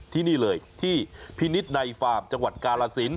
ที่นี่เลยที่พินิษฐ์ในฟาร์มจังหวัดกาลสิน